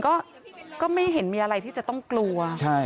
ก็ไม่เห็นมีอะไรที่จะต้องกลัวใช่